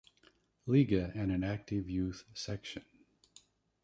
Liga and an active youth section.